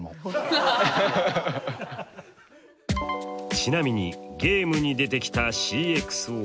ちなみにゲームに出てきたＣｘＯ。